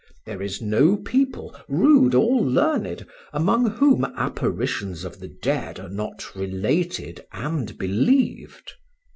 There is no people, rude or learned, among whom apparitions of the dead are not related and believed.